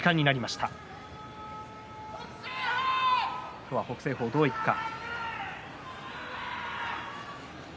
今日は北青鵬どういくか。